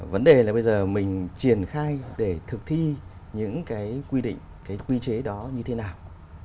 vấn đề là bây giờ mình triển khai để thực thi những cái quy định cái quy chế đó như thế nào